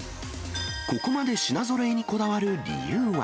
ここまで品ぞろえにこだわる理由は。